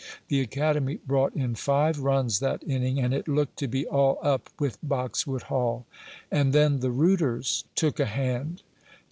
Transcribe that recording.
The academy brought in five runs that inning and it looked to be all up with Boxwood Hall. And then the rooters took a hand.